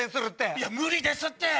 いや無理ですって！